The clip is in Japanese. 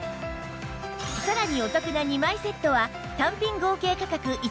さらにお得な２枚セットは単品合計価格